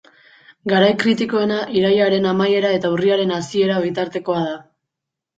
Garai kritikoena irailaren amaiera eta urriaren hasiera bitartekoa da.